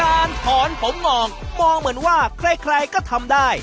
การถอนผมงองมองเหมือนว่าใครก็ทำได้